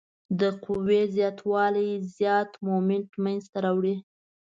د قوې زیات والی زیات مومنټ منځته راوړي.